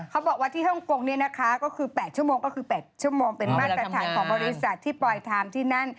ถ้าที่ฮงกงปอยสตริกมากค่ะ